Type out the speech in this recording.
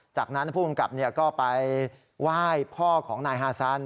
จากนั้นผู้กำกับก็ไปไหว้พ่อของนายฮาซัน